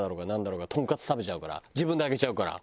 自分で揚げちゃうから。